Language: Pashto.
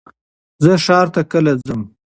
زه ښار ته کله ځم؟